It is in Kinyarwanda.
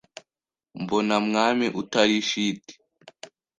Mbona Mwami utari shiti